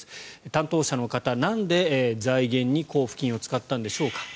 担当者の方、なんで財源に交付金を使ったんでしょうか。